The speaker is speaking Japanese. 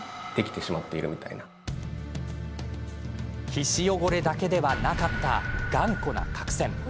皮脂汚れだけではなかった頑固な角栓。